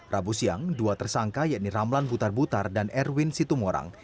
rabu siang dua tersangka yakni ramlan butar butar dan erwin situmorang